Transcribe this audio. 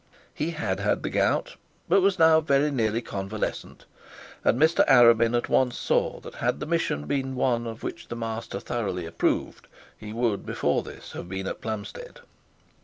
He had had the gout but was very nearly convalescent, and Mr Arabin at once saw that had the mission been one of which the master thoroughly approved, he would before this have been at Plumstead.